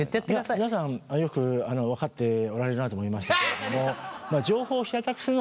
諸皆さんよく分かっておられるなと思いましたけれど。